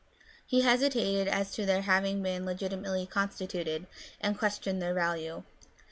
He hesitated as to their having been legitimately constituted, and questioned their value.